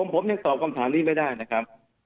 ผมยังตอบคำถามนี้ไม่ได้นะครับ